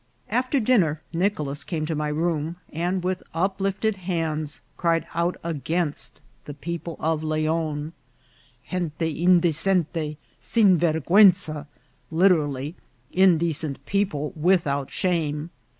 After dinner Nicolas came to my room, and with uplifted hands cried out against the people of Leon, Gente indecente, sin verguenza (literally), indecent peo ple, without shame.